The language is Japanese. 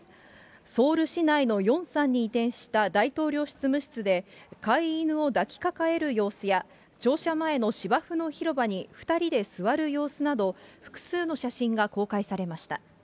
ソウル市内のヨンサンに移転した大統領執務室で、飼い犬を抱きかかえる様子や、庁舎前の芝生の広場に２人で座る様子など、複数の写真が公開されました。